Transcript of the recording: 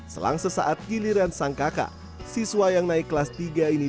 selang sesaat giliran sang kakak siswa yang naik kelas tiga ini